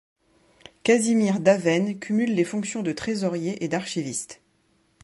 Casimir Davaine cumule les fonctions de trésorier et d'archiviste.